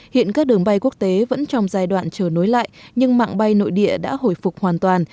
hiện các đường bay quốc tế vẫn trong giai đoạn chờ nối lại nhưng mạng bay nội địa đã hồi phục hoàn toàn